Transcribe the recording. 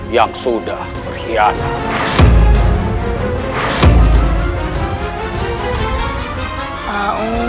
yang sudah berkhianat